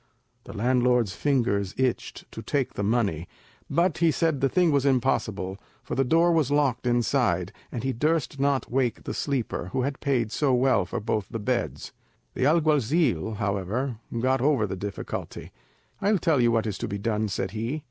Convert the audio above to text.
The landlord's fingers itched to take the money; but he said the thing was impossible, for the door was locked inside, and he durst not wake the sleeper, who had paid so well for both the beds. The alguazil, however, got over the difficulty. "I'll tell you what is to be done," said he.